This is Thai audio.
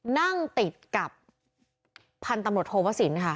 นั่งติดกับพันธรรมดรโทวศิลป์ค่ะ